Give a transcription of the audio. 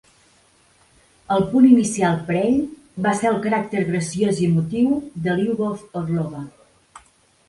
El punt inicial per a ell va ser el caràcter graciós i emotiu de Lyubov Orlova.